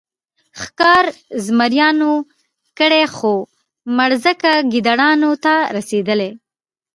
ښکار زمریانو کړی خو مړزکه ګیدړانو ته رسېدلې.